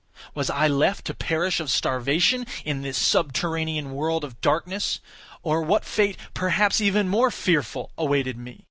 Was I left to perish of starvation in this subterranean world of darkness; or what fate, perhaps even more fearful, awaited me?